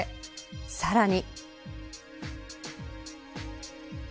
さらに。